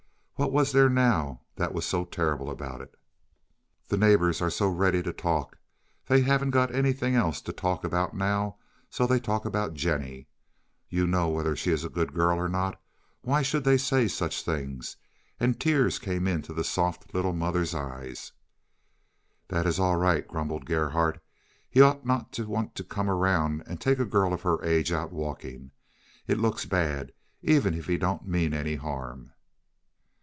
What was there now that was so terrible about it? "The neighbors are so ready to talk. They haven't got anything else to talk about now, so they talk about Jennie. You know whether she is a good girl or not. Why should they say such things?" and tears came into the soft little mother's eyes. "That is all right," grumbled Gerhardt, "but he ought not to want to come around and take a girl of her age out walking. It looks bad, even if he don't mean any harm."